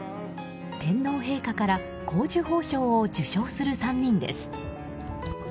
天皇陛下から紅綬褒章を受章する３人です。